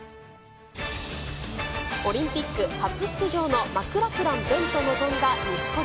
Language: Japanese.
オリンピック初出場のマクラクラン勉との臨んだ錦織。